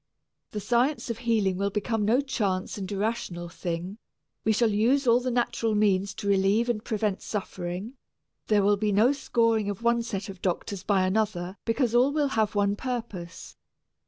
The science of healing will become no chance and irrational thing. We shall use all the natural means to relieve and prevent suffering there will be no scoring of one set of doctors by another because all will have one purpose.